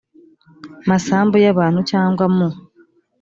masambu y abantu cyangwa mu